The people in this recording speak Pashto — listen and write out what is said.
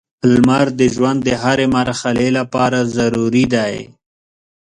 • لمر د ژوند د هرې مرحلې لپاره ضروري دی.